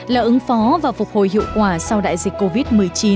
là ứng phó và phục hồi hiệu quả sau đại dịch covid một mươi chín